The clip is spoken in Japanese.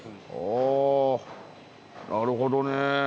おなるほどね。